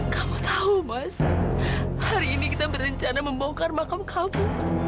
kamu tahu mas hari ini kita berencana membongkar makam kamu